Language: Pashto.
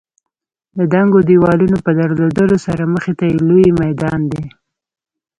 د دنګو دېوالونو په درلودلو سره مخې ته یې لوی میدان دی.